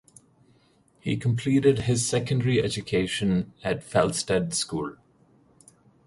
He completed his secondary education at Felsted School.